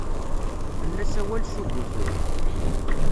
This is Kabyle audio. Fell-as awal suguten.